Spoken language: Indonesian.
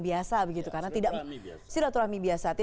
biasa begitu karena tidak mengganggu kepentingan koalisi partai politik